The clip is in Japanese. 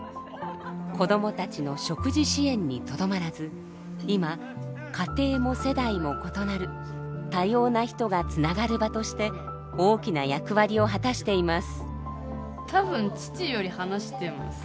子供たちの食事支援にとどまらず今家庭も世代も異なる多様な人がつながる場として大きな役割を果たしています。